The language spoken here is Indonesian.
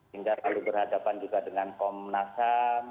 hingga terlalu berhadapan juga dengan komnasan